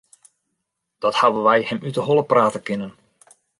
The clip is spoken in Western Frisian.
Dat hawwe wy him út 'e holle prate kinnen.